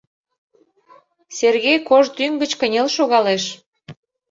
Сергей кож тӱҥ гыч кынел шогалеш.